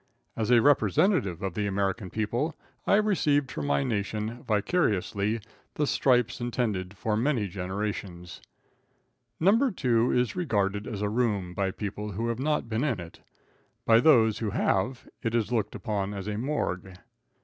As a representative of the American people, I received for my nation, vicariously, the stripes intended for many generations. No. 2 is regarded as a room by people who have not been in it. By those who have, it is looked upon as a morgue.